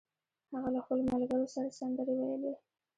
هغه له خپلو ملګرو سره سندرې ویلې